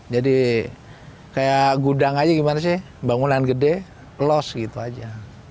jadi kayak gudang aja gimana sih bangunan gede los gitu aja